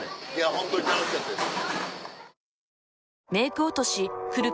ホントに楽しかったです。